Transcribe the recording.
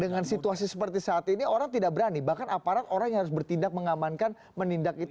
dengan situasi seperti saat ini orang tidak berani bahkan aparat orang yang harus bertindak mengamankan menindak itu